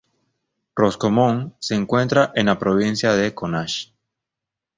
Roscommon se encuentra en la provincia de Connacht.